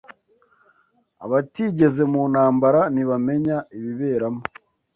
Abatigeze mu ntambara ntibamenya ibiberamo